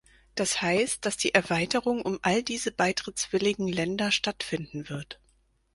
Das heißt, dass die Erweiterung um all diese beitrittswilligen Länder stattfinden wird.